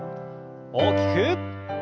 大きく。